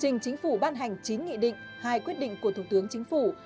trình chính phủ ban hành chín nghị định hai quyết định của thủ tướng chính phủ